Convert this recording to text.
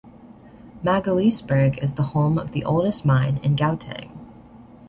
Magaliesburg is the home of the oldest mine in Gauteng.